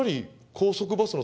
高速バスを。